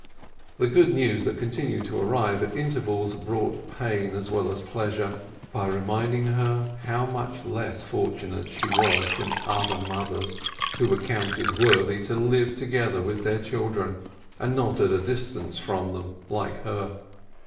The good news that continued to arrive at intervals brought pain as well as pleasure, by reminding her how much less for tunate she was than other mothers, who were counted worthy to live together with their children, and not at a distance from them like her.